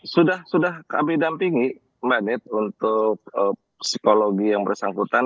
sudah sudah kami dampingi mad untuk psikologi yang bersangkutan